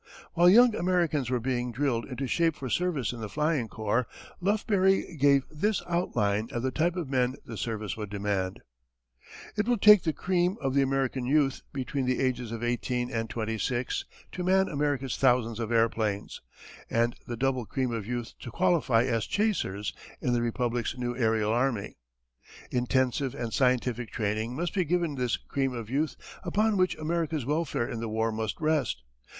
While young Americans were being drilled into shape for service in the flying corps, Lufbery gave this outline of the type of men the service would demand: It will take the cream of the American youth between the ages of eighteen and twenty six to man America's thousands of airplanes, and the double cream of youth to qualify as chasers in the Republic's new aërial army. Intensive and scientific training must be given this cream of youth upon which America's welfare in the war must rest.